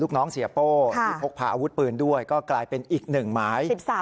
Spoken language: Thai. น้องเสียโป้ที่พกพาอาวุธปืนด้วยก็กลายเป็นอีกหนึ่งหมาย